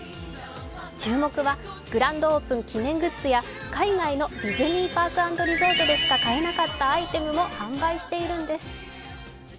注目はグランドオープン記念グッズや海外のディズニーパークリゾートでしか買えなかったアイテムも販売しているんです。